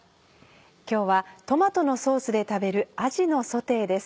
今日はトマトのソースで食べるあじのソテーです。